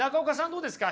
どうですか？